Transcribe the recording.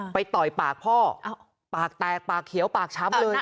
ต่อยปากพ่อปากแตกปากเขียวปากช้ำเลย